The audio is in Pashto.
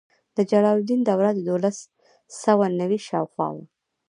د جلال الدین دوره د دولس سوه نوي شاوخوا وه.